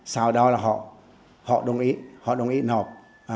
sau đó là họ đồng ý họ đồng ý họp